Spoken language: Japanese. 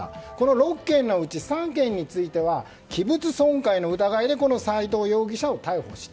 ６件のうち３件については器物損壊の疑いで斎藤容疑者を逮捕した。